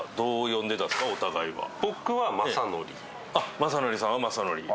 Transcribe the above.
雅紀さんは「雅紀」